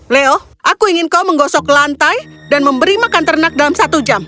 leo aku ingin kau menggosok lantai dan memberi makan ternak dalam satu jam